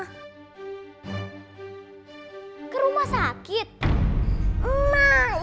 iya coba tebak aku kemana sama mama